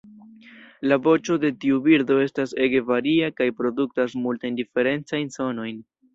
La voĉo de tiu birdo estas ege varia kaj produktas multajn diferencajn sonojn.